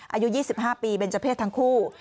อายุ๒๕ปีเป็นเจ้าเพศทั้งคู่